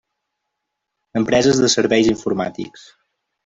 Empreses de serveis informàtics.